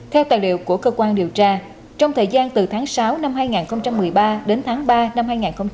theo tài liệu của cơ quan điều tra trong thời gian từ tháng sáu năm hai nghìn một mươi ba đến tháng ba năm hai nghìn một mươi chín